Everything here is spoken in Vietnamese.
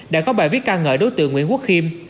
đã có bài viết ca ngợi đối tượng nguyễn quốc khiêm